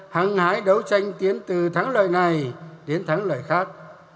hăng hái đấu tranh tiến từ thắng lợi này đến thắng lợi khác